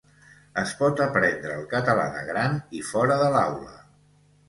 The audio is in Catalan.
Es pot aprendre el català de gran i fora de l'aula